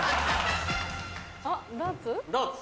あっダーツ？